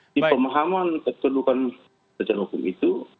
di pemahaman ketuduhan secara hukum itu